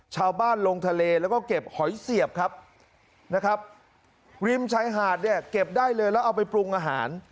ลงทะเลแล้วก็เก็บหอยเสียบครับนะครับริมชายหาดเนี่ยเก็บได้เลยแล้วเอาไปปรุงอาหาร